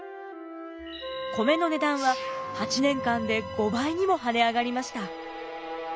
米の値段は８年間で５倍にも跳ね上がりました。